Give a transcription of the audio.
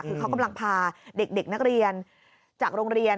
คือเขากำลังพาเด็กนักเรียนจากโรงเรียน